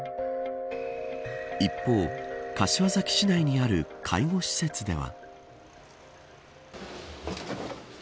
一方、柏崎市内にある介護施設では。